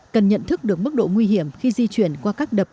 cần nhận thức được mức độ nguy hiểm khi di chuyển qua các đập tràn